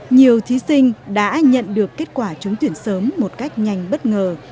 nhiều thí sinh đã nhận được kết quả trúng tuyển sớm một cách nhanh bất ngờ